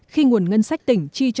khi nguồn ngân sách tỉnh chi sách